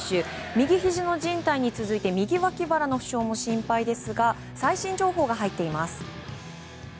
右ひじのじん帯に続いて右脇腹の負傷も心配ですが最新情報が入っています。